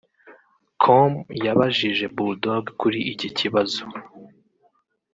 com yabajije Bull Dogg kuri iki kibazo